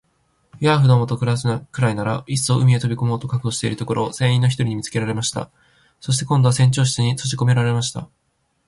ヤーフどもと暮すくらいなら、いっそ海へ飛び込もうと覚悟しているところを、船員の一人に見つけられました。そして、今度は船長室にとじこめられました。